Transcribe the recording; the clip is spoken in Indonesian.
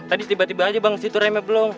tadi tiba tiba aja bang disitu remnya belum